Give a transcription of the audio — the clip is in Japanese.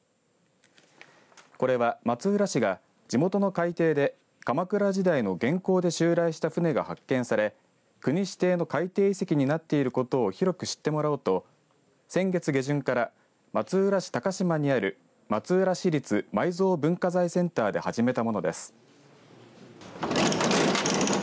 これは松浦市が地元の海底で鎌倉時代の元寇で襲来した船が発見され国指定の海底遺跡になっていることを広く知ってもらおうと先月下旬から松浦市鷹島にある松浦市立埋蔵文化財センターで始めたものです。